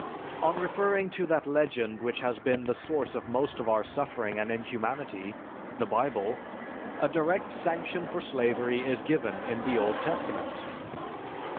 On referring to that legend which has been the source of most of our suffering and inhumanity, the Bible, a direct sanction for slavery is given in the Old Testament.